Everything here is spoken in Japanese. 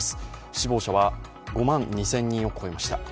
死亡者は５万２０００人を超えました。